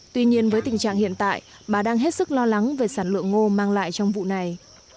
tuy nhiên với tình trạng hiện tại bà đang hết sức lo lắng về sản lượng ngô mang lại trong vụ này